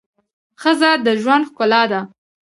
ښځه د ژوند ښکلا ده.